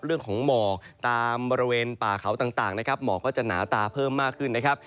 หมอกตามบริเวณป่าเขาต่างนะครับหมอกก็จะหนาตาเพิ่มมากขึ้นนะครับ